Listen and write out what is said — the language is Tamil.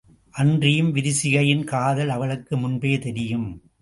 அன்றியும் விரிசிகையின் காதல் அவளுக்கு முன்பே தெரியும்.